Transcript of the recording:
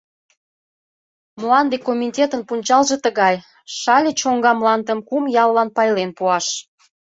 — Мланде комитетын пунчалже тыгай: Шале чоҥга мландым кум яллан пайлен пуаш.